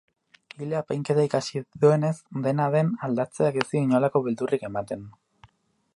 Ile-apainketa ikasi duenez, dena den, aldatzeak ez dio inolako beldurrik ematen.